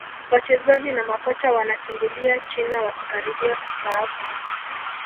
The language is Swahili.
wachezaji na makocha wanakimbilia china wakikaribia kustaafu